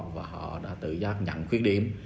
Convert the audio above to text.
và họ đã tự giác nhận khuyết điểm